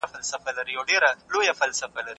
هیوادونه د کلتوري همکاریو لپاره تړونونه لاسلیک کوي.